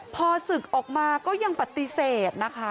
พอศึกออกมาก็ยังปฏิเสธนะคะ